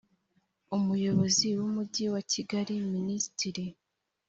umuyobozi w umujyi wa kigali minisitiri